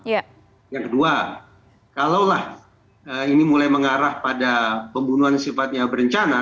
yang kedua kalaulah ini mulai mengarah pada pembunuhan sifatnya berencana